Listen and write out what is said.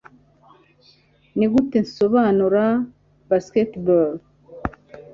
nigute nsobanura basketball